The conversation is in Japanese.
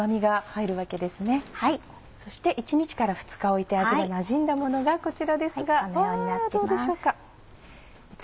そして１日から２日置いて味がなじんだものがこちらですがどうでしょうか？